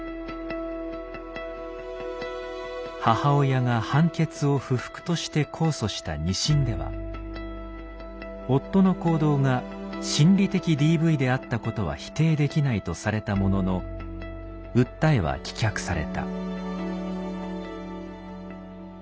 母親が判決を不服として控訴した二審では「夫の行動が心理的ＤＶであったことは否定できない」とされたものの訴えは棄却された。